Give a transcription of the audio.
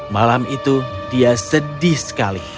malam itu dia sedih sekali